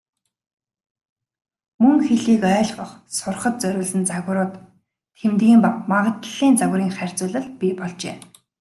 Мөн хэлийг ойлгох, сурахад зориулсан загварууд, тэмдгийн ба магадлалын загварын харьцуулал бий болжээ.